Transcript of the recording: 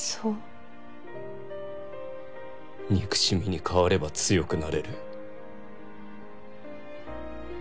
憎しみに変われば強くなれる。